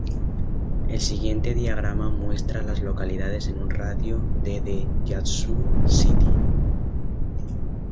El siguiente diagrama muestra a las localidades en un radio de de Yazoo City.